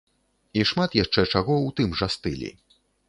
І шмат яшчэ чаго ў тым жа стылі.